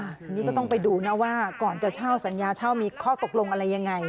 อันนี้ก็ต้องไปดูนะว่าก่อนจะเช่าสัญญาเช่ามีข้อตกลงอะไรยังไง